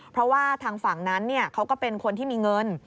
เพราะว่าทางฝั่งนั้นเขาก็เป็นคนที่มีเงิน